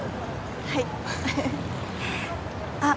はいあっ